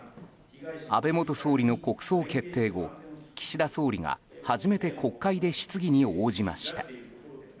安倍元総理の国葬決定後岸田総理が初めて国会で質疑に応じました。